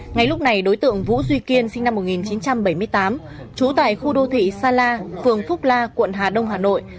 ngay lúc này đối tượng vũ duy kiên sinh năm một nghìn chín trăm bảy mươi tám trú tại khu đô thị sa la phường phúc la quận hà đông hà nội